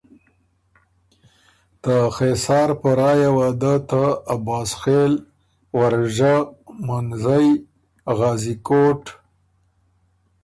ته خېسار په رایه وه دۀ ته عباسخېل، ورژۀ، منزئ، غازی کوټ،